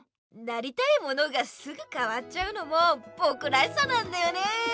なりたいものがすぐかわっちゃうのもぼくらしさなんだよねえ！